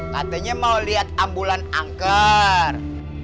katanya mau lihat ambulan angker